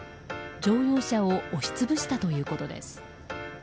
乗用車を押し潰したということです。